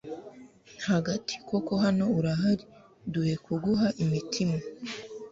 hagati, koko hano urahari, duhe kuguha imitima